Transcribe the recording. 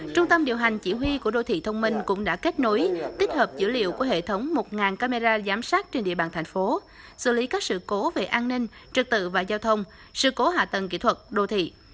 trung tâm điều hành chỉ huy của đô thị thông minh cũng đã kết nối tích hợp dữ liệu của hệ thống một camera giám sát trên địa bàn thành phố xử lý các sự cố về an ninh trực tự và giao thông sự cố hạ tầng kỹ thuật đô thị